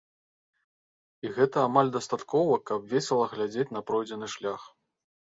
І гэта амаль дастаткова, каб весела глядзець на пройдзены шлях.